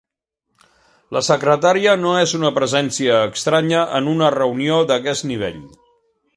La secretària no és una presència estranya en una reunió d'aquest nivell.